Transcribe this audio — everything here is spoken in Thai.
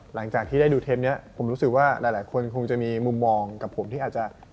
หลังจากที่ได้ดูเทปนี้ผมรู้สึกว่าหลายคนคงจะมีมุมมองกับผมที่อาจจะ